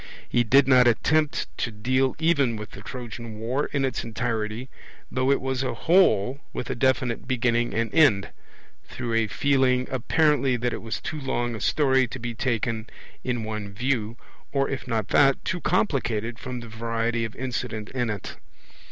He did not attempt to deal even with the Trojan war in its entirety, though it was a whole with a definite beginning and end through a feeling apparently that it was too long a story to be taken in in one view, or if not that, too complicated from the variety of incident in it.